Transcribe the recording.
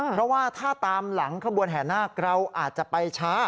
เพราะว่าถ้าตามหลังขบวนแห่นาคเราอาจจะไปช้า